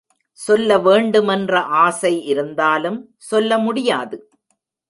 சொல்ல வேண்டுமென்ற ஆசை இருந்தாலும் சொல்ல முடியாது.